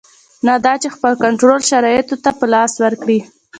نه دا چې خپل کنټرول شرایطو ته په لاس ورکړي.